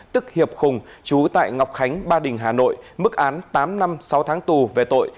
tức hiệp hùng chú tại ngọc khánh ba đình hà nội mức án tám năm sáu tháng tù về tội